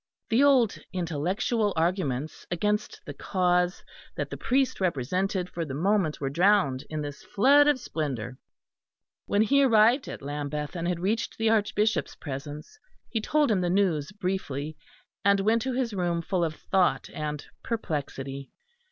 The old intellectual arguments against the cause that the priest represented for the moment were drowned in this flood of splendour. When he arrived at Lambeth and had reached the Archbishop's presence, he told him the news briefly, and went to his room full of thought and perplexity.